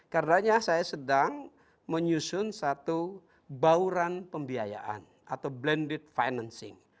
karena saya sedang menyusun satu bauran pembiayaan atau blended financing